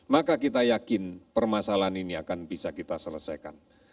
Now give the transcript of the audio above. maka kita yakin permasalahan ini akan bisa kita selesaikan